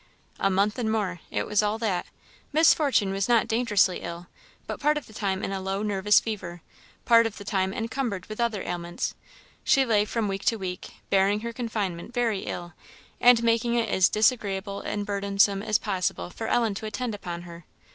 "A month, and more." It was all that. Miss Fortune was not dangerously ill; but part of the time in a low nervous fever, part of the time encumbered with other ailments, she lay from week to week, bearing her confinement very ill, and making it as disagreeable and burdensome as possible for Ellen to attend upon her.